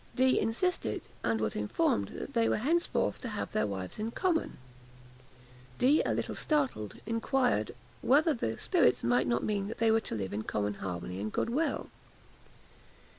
Dee insisted, and was informed that they were henceforth to have their wives in common. Dee, a little startled, inquired whether the spirits might not mean that they were to live in common harmony and good will?